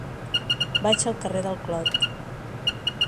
Vaig al carrer del Clot.